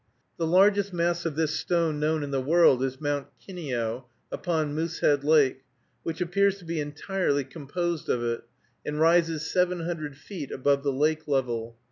The largest mass of this stone known in the world is Mount Kineo, upon Moosehead Lake, which appears to be entirely composed of it, and rises seven hundred feet above the lake level.